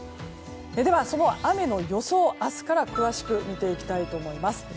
では、その雨の予想を明日から詳しく見ていきたいと思います。